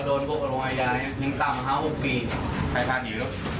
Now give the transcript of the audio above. หรือว่าโดนโกขลงอายะยังต่ำ๖ปี